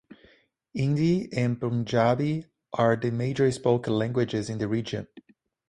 Hindi and Punjabi are the major spoken languages in the region.